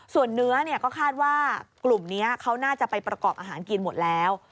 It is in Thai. ส่วนเนื้อก็คาดว่ากลุ่มนี้เขาน่าจะไปประกอบอาหารกินหมดแล้ว